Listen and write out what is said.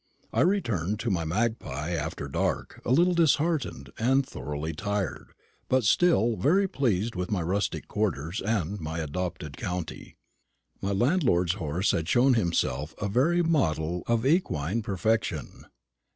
I returned to my "Magpie" after dark a little disheartened and thoroughly tired, but still very well pleased with my rustic quarters and my adopted county. My landlord's horse had shown himself a very model of equine perfection.